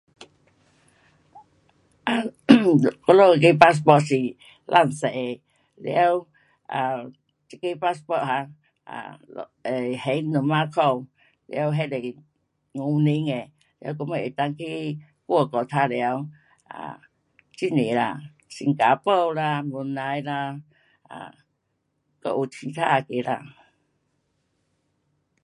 um 我们那个 passport 是蓝色的，完，啊，这个 passport 哈，um 还两百块，完那是五年的，完我们能够去外国玩耍。啊，很多啦，新加坡啦，文莱啦，啊，还有其他那个啦。